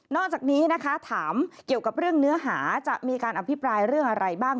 จากนี้นะคะถามเกี่ยวกับเรื่องเนื้อหาจะมีการอภิปรายเรื่องอะไรบ้าง